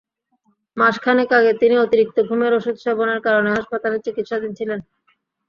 মাস খানেক আগে তিনি অতিরিক্ত ঘুমের ওষুধ সেবনের কারণে হাসপাতালে চিকিৎসাধীন ছিলেন।